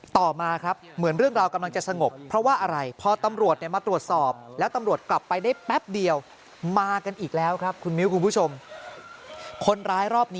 ต่อมาครับเหมือนเรื่องราวกำลังจะสงบ